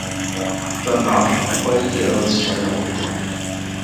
Danach arbeitet er als freier Autor.